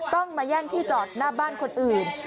ต้องมาแย่งที่จอดหน้าบ้านคนอื่น